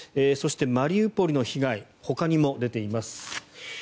そして、マリウポリの被害ほかにも出ています。